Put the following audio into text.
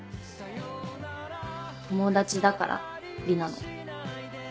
友達だから里奈の。